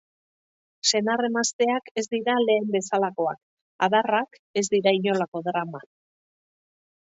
Senar-emazteak ez dira lehen bezalakoak, adarrak ez dira inolako drama.